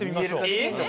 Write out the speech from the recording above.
えっ？